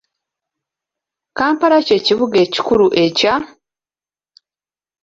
Kampala kye kibuga ekikulu ekya?